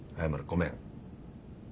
ごめん。